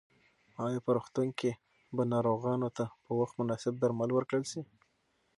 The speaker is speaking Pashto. ایا په روغتون کې به ناروغانو ته په وخت مناسب درمل ورکړل شي؟